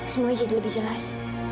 semua jadi lebih jelas